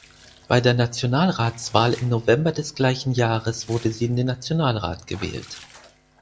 Bei der Nationalratswahl im November des gleichen Jahres wurde sie in den Nationalrat gewählt.